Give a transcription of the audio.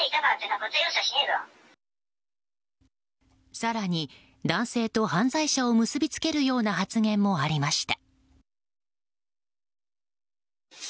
更に、男性と犯罪者を結び付けるような発言もありました。